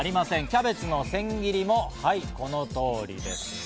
キャベツの千切りも、はい、この通りです。